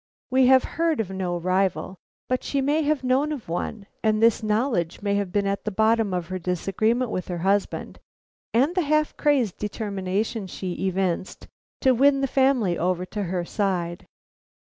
We have heard of no rival, but she may have known of one, and this knowledge may have been at the bottom of her disagreement with her husband and the half crazy determination she evinced to win his family over to her side.